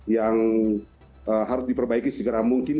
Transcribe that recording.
yang harus diperbaiki segera mungkin